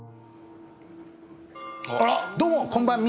どうもこんばんみ！